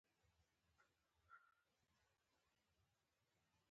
بڼ وال په ګڼه ګوڼه کي خپلې مڼې او هندواڼې را کړې